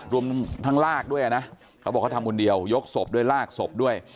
รวมทั้งลากด้วยนะเขาบอกเขาทำคนเดียวยกศพด้วยลากศพด้วย